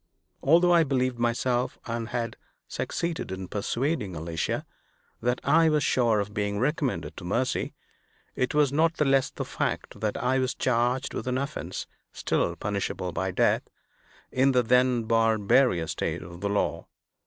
Although I believed myself, and had succeeded in persuading Alicia, that I was sure of being recommended to mercy, it was not the less the fact that I was charged with an offense still punishable by death, in the then barbarous state of the law.